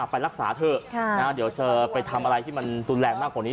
ไปรักษาเถอะเดี๋ยวจะไปทำอะไรที่มันรุนแรงมากกว่านี้